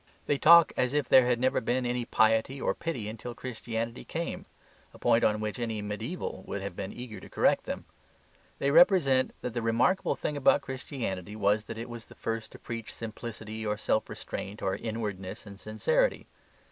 They talk as if there had never been any piety or pity until Christianity came, a point on which any mediaeval would have been eager to correct them. They represent that the remarkable thing about Christianity was that it was the first to preach simplicity or self restraint, or inwardness and sincerity.